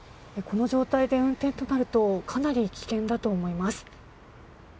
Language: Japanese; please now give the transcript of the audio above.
この状態で運転となるとかなり危険だと思います。